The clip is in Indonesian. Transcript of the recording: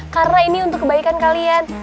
karena ini untuk kebaikan kalian